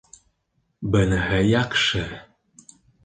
— Быныһы яҡшы!